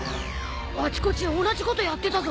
あちこち同じことやってたぞ。